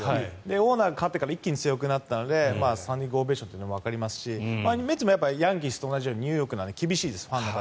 オーナーが代わってから一気に強くなったのでスタンディングオベーションもわかりますしメッツもヤンキースと同じようにニューヨークなので厳しいですファンの方。